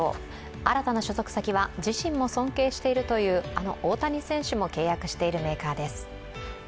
新たな所属先は自身も尊敬しているというあの大谷選手も契約しているメーカーです。